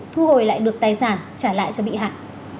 thu hồi lại được tài sản trả lại cho bị hại